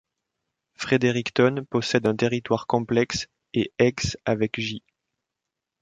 Fredericton possède un territoire complexe et ex avec j.